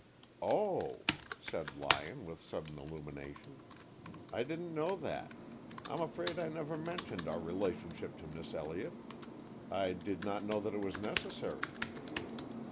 "Oh!" said Lyon, with sudden illumination. "I didn't know that. I'm afraid I never mentioned our relationship to Miss Elliott. I did not know that it was necessary."